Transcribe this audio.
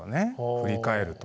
振り返ると。